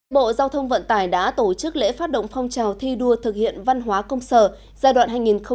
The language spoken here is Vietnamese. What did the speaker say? bộ giao thông vận tải đã tổ chức lễ phát động phong trào thi đua thực hiện văn hóa công sở giai đoạn hai nghìn hai mươi hai nghìn hai mươi năm